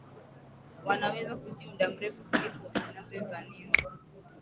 wanaweza kuishi muda mrefu kuliko inavyozaniwa